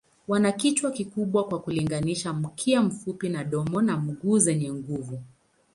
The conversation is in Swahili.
Wana kichwa kikubwa kwa kulinganisha, mkia mfupi na domo na miguu zenye nguvu.